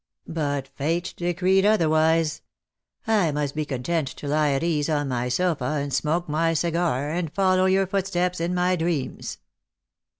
But Fate decreed otherwise. I must be content to lie at ease on my sofa, and smoke my cigar, and follow your footsteps in my dreams."